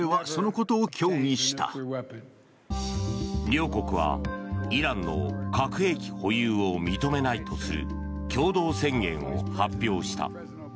両国はイランの核兵器保有を認めないとする共同宣言を発表した。